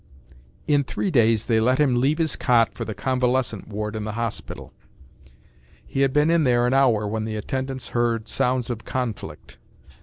In three days they let him leave his cot for the convalescent ward in the hospital. He had been in there an hour when the attendants heard sounds of conflict.